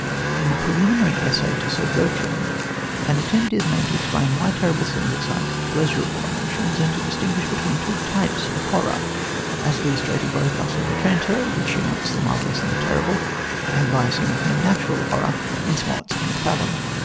In the preliminary essay to Sir Bertrand an attempt is made to explain why terrible scenes excite pleasurable emotions and to distinguish between two different types of horror, as illustrated by The Castle of Otranto, which unites the marvellous and the terrible, and by a scene of mere natural horror in Smollett's Count Fathom.